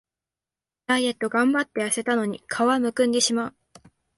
ダイエットがんばってやせたのに顔はむくんでしまう